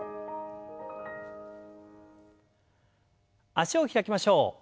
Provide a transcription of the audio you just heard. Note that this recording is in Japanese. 脚を開きましょう。